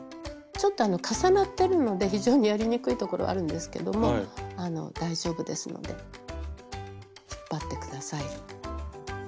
ちょっと重なってるので非常にやりにくいところあるんですけども大丈夫ですので引っ張って下さい。